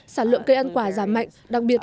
sản lượng cây ăn quả giảm mạnh